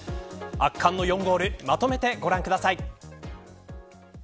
圧巻の４ゴールまとめてご覧ください。